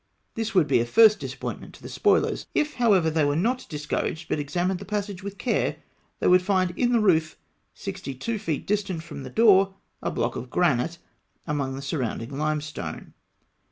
This would be a first disappointment to the spoilers. If, however, they were not discouraged, but examined the passage with care, they would find in the roof, sixty two feet distant from the door, a block of granite (Note 22) among the surrounding limestone.